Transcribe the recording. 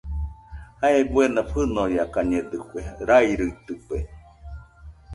Jae buena fɨnoakañedɨkue, rairuitɨkue.